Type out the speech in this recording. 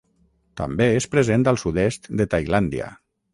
També és present al sud-est de Tailàndia.